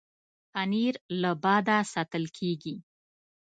پنېر له باده ساتل کېږي.